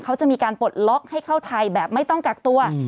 เขาจะมีการปลดล็อกให้เข้าไทยแบบไม่ต้องกักตัว